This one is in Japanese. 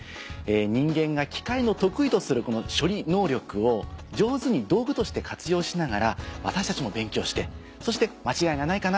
人間が機械の得意とするこの処理能力を上手に道具として活用しながら私たちも勉強してそして間違いがないかな？